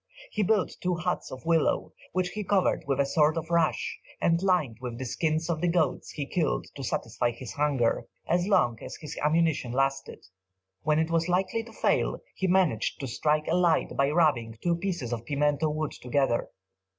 He built two huts of willow, which he covered with a sort of rush, and lined with the skins of the goats he killed to satisfy his hunger, so long as his ammunition lasted. When it was likely to fail, he managed to strike a light by rubbing two pieces of pimento wood together.